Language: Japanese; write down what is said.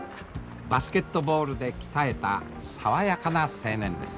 バスケットボールで鍛えた爽やかな青年です。